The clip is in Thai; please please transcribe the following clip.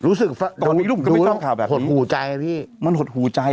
รู้สึกตอนอีกรูปก็ไม่ชอบข่าวแบบนี้หดหูใจอ่ะพี่มันหดหูใจ